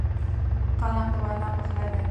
قلم د وینا پخلی دی